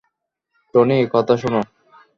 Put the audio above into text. Tony, কথা শোনো।